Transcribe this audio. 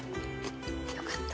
よかった。